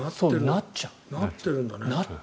なってるんだね。